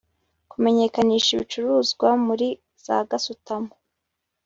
kumenyekanisha ibicuruzwa muri za gasutamo